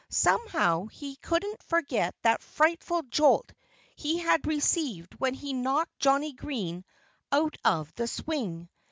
Somehow he couldn't forget that frightful jolt he had received when he knocked Johnnie Green out of the swing.